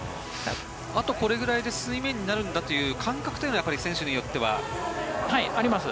あと、これくらいで水面になるんだという感覚というのはやっぱり選手によってはありますか？